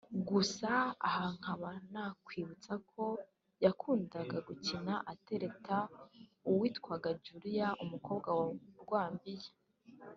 gusa aha nkaba nakwibutsa ko yakundaga gukina atereta uwitwaga Julia umukobwa wa Rwambika